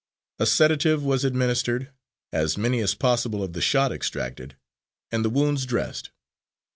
A sedative was administered, as many as possible of the shot extracted, and the wounds dressed.